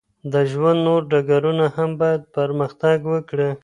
د ژوند نور ډګرونه هم باید پرمختګ وکړي.